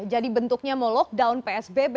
jadi bentuknya mau lockdown psbb